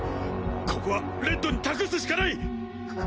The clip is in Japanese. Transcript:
ここはレッドに託すしかない！